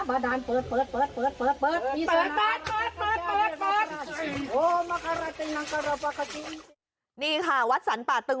บาดาลพิสาณาฟราสาที